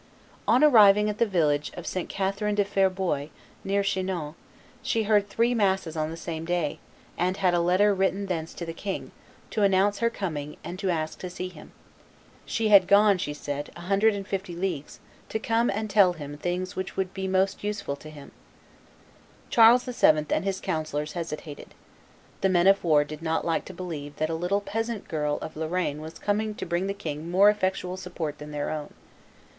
On arriving at the village of St. Catherine de Fierbois, near Chinon, she heard three masses on the same day, and had a letter written thence to the king, to announce her coming and to ask to see him; she had gone, she said, a hundred and fifty leagues to come and tell him things which would be most useful to him. Charles VII. and his councillors hesitated. The men of war did not like to believe that a little peasant girl of Lorraine was coming to bring the king a more effectual support than their own.